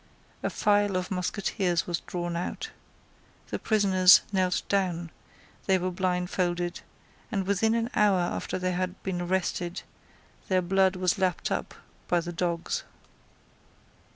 A file of musketeers was drawn out. The prisoners knelt down; they were blindfolded; and within an hour after they had been arrested, their blood was lapped up by the dogs.